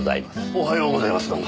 おはようございますどうも。